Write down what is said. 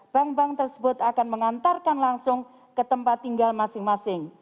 bank bank tersebut akan mengantarkan langsung ke tempat tinggal masing masing